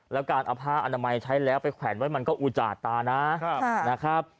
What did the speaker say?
แล้วการเอาผ้าอนามัยใช้แล้วไปแขวนไว้มันก็อุจจาตานะครับ